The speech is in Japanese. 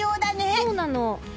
そうなの。